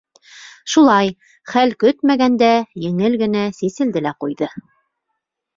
Шулай, хәл көтмәгәндә, еңел генә сиселде лә ҡуйҙы.